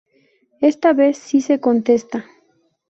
Esta vez sí contesta.